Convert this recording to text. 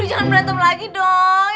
jangan berantem lagi dong